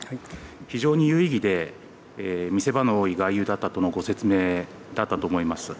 非常に有意義で、見せ場の多い外遊だったとのご説明だったと思います。